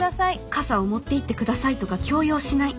傘を持って行ってくださいとか強要しない